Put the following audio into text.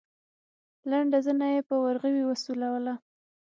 لنډه زنه يې په ورغوي وسولوله.